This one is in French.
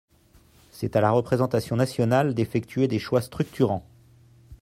C’est à la représentation nationale d’effectuer des choix structurants.